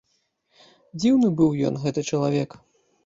Дзіўны быў ён, гэты чалавек.